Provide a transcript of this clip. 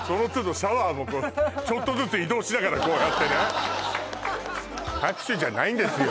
シャワーもちょっとずつ移動しながらこうやってねんですよ